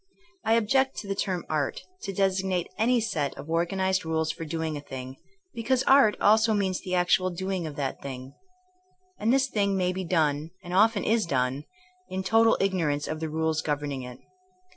I object to the term art^' to designate any set of organized rules for doing a thing, because ''art" also means the actual doing of that thing. And this thing may be done, and often is done, in total ignorance of the rules governing it.